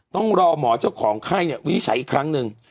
ต้องรอหมอเจ้าของไข้วินิจฉัยอีกครั้งหนึ่ง